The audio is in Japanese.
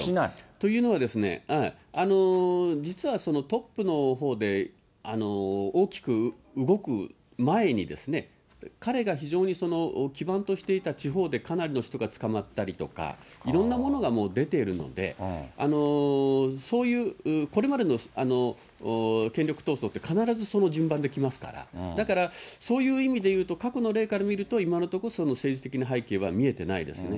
というのは、実はトップのほうで大きく動く前に、彼が非常に基盤としていた地方でかなりの人が捕まったりとか、いろんなものがもう出ているので、そういうこれまでの権力闘争って、必ずその順番できますから、だから、そういう意味でいうと、過去の例から見ると、今のところその政治的な背景は見えてないですね。